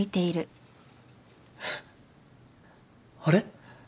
あれ？